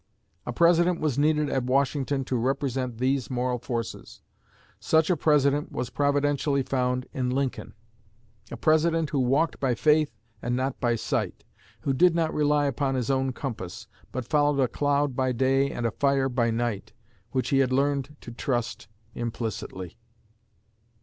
A President was needed at Washington to represent these moral forces. Such a President was providentially found in Lincoln ... a President who walked by faith and not by sight; who did not rely upon his own compass, but followed a cloud by day and a fire by night, which he had learned to trust implicitly."